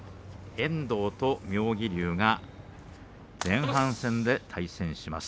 遠藤と妙義龍前半戦で対戦します。